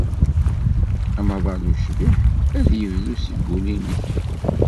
Amaḍal ucbiḥ ad d-yebdu seg wul-nnek.